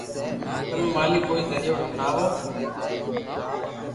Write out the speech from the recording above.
تمي مالڪ ڪوئي زريعو ھڻاوہ